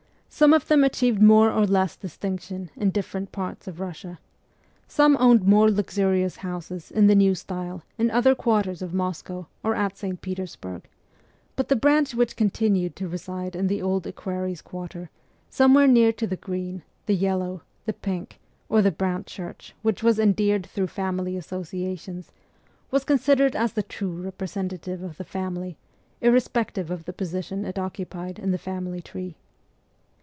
Some of them achieved more or less distinction in different parts of Russia ; some owned more luxurious houses in the new style in other quarters of Moscow or at St. Petersburg ; but the branch which continued to reside in the Old Equerries' Quarter, somewhere near to the green, the yellow, the pink, or the brown church which was endeared through family associations, was considered as the true representative of the family, irre spective of the position it occupied in the family tree.